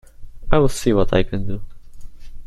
I'll see what I can do.